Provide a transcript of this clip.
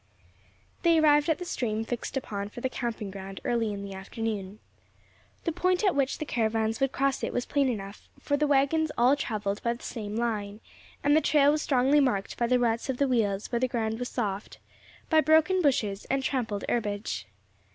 They arrived at the stream fixed upon for the camping ground early in the afternoon. The point at which the caravans would cross it was plain enough, for the waggons all travelled by the same line, and the trail was strongly marked by the ruts of wheels where the ground was soft, by broken bushes, and trampled herbage.